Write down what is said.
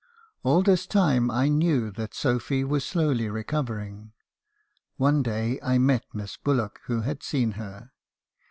"All this time I knew that Sophy was slowly recovering. One day I met Miss Bullock , who had seen her.